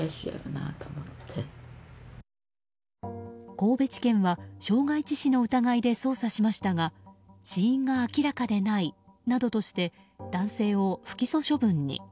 神戸地検は傷害致死の疑いで捜査しましたが死因が明らかでないなどとして男性を不起訴処分に。